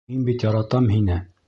Мин бит яратам һине!..